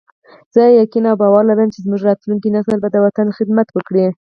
زه یقین او باور لرم چې زموږ راتلونکی نسل به د وطن خدمت وکړي